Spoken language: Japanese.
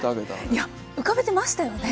いや浮かべてましたよね。